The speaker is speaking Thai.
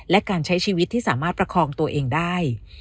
และการใช้ชีวิตที่สามารถประคองตัวเองได้